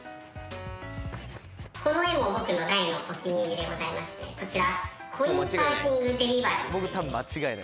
この絵も僕の大のお気に入りでございましてこちら。